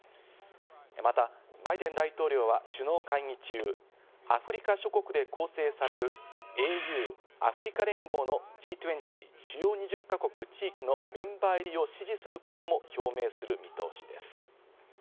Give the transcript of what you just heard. またバイデン大統領は首脳会議中、アフリカ諸国で構成されるＡＵ＝アフリカ連合のＧ２０＝主要２０か国・地域のメンバー入りを支持することも表明する見通しです。